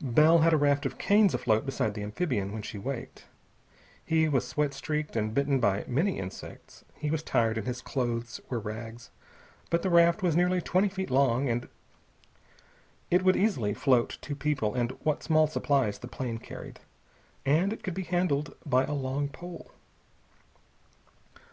Bell had a raft of canes afloat beside the amphibian when she waked. He was sweat streaked and bitten by many insects. He was tired, and his clothes were rags. But the raft was nearly twenty feet long, it would easily float two persons and what small supplies the plane carried, and it could be handled by a long pole.